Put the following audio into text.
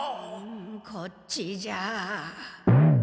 こっちじゃ。